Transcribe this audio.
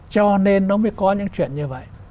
cho nên nó mới có những chuyện như vậy